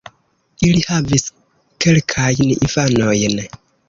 Ili havis kelkajn infanojn.